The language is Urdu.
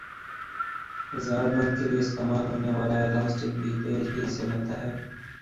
زار بند کیلئے استعمال ہونے والا الاسٹک بھی تیل ہی سے بنتا ھے